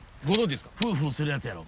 フーフーするやつやろ？